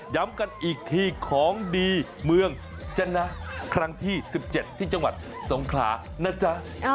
ย้ำกันอีกทีของดีเมืองจนะครั้งที่๑๗ที่จังหวัดสงขลานะจ๊ะ